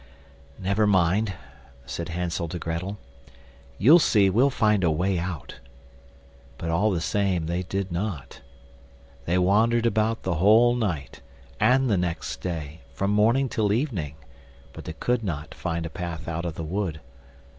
"Never mind," said Hansel to Grettel; "you'll see we'll find a way out"; but all the same they did not. They wandered about the whole night, and the next day, from morning till evening, but they could not find a path out of the wood.